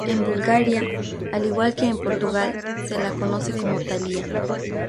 En Bulgaria, al igual que en Portugal, se la conoce como thalia.